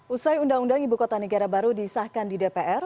usai undang undang ibu kota negara baru disahkan di dpr